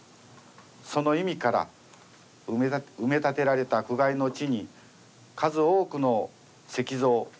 その意味から埋立てられた苦海の地に数多くの石像